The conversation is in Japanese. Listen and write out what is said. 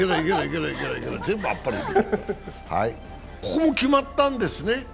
ここも決まったんですね。